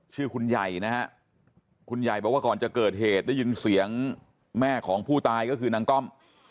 ชื่อคุณใหญ่นะฮะคุณใหญ่บอกว่าก่อนจะเกิดเหตุได้ยินเสียงแม่ของผู้ตายก็คือนางก้อม